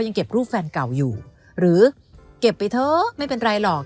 หรือเจบไปเถอะไม่เป็นไรหรอก